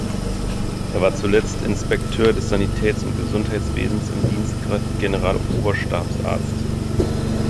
Er war zuletzt Inspekteur des Sanitäts- und Gesundheitswesens im Dienstgrad Generaloberstabsarzt.